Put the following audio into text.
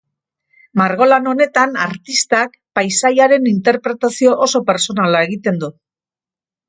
Margolan honetan artistak paisaiaren interpretazio oso pertsonala egiten du.